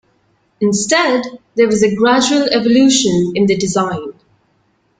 Instead, there was a gradual evolution in the design.